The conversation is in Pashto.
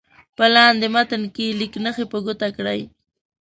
په لاندې متن کې لیک نښې په ګوته کړئ.